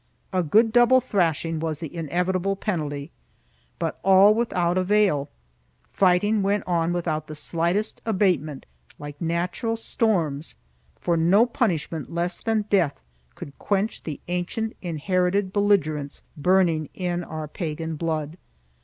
A good double thrashing was the inevitable penalty, but all without avail; fighting went on without the slightest abatement, like natural storms; for no punishment less than death could quench the ancient inherited belligerence burning in our pagan blood.